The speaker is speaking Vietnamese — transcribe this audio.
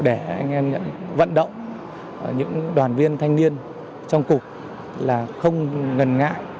để anh em vận động những đoàn viên thanh niên trong cục là không ngần ngại